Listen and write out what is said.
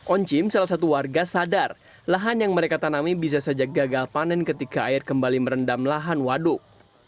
oncim salah satu warga sadar lahan yang mereka tanami bisa saja gagal panen ketika air kembali merendam lahan waduk